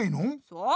そう。